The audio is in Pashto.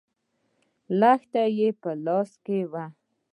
لښته يې په لاس کې وه.